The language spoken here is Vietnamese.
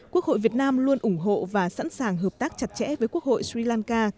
quốc hội việt nam luôn ủng hộ và sẵn sàng hợp tác chặt chẽ với quốc hội sri lanka